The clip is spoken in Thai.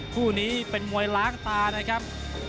คู่นี้เป็นมวยล้างตานะครับ